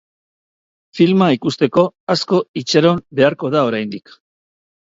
Filma ikusteko asko itxaron beharko da oraindik.